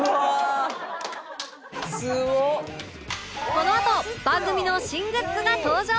このあと番組の新グッズが登場！